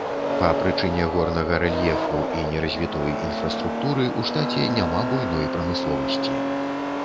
Па прычыне горнага рэльефу і неразвітой інфраструктуры ў штаце няма буйной прамысловасці.